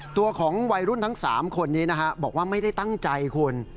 ตัวของวัยรุ่นทั้ง๓คนนี้นะฮะบอกว่าไม่ได้ตั้งใจคุณ